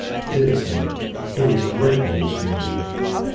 Dearest Emma, Here is great news from England.